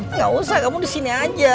nggak usah kamu di sini aja